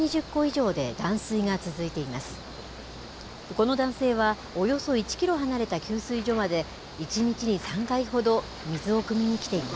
この男性は、およそ１キロ離れた給水所まで１日に３回ほど、水をくみに来ています。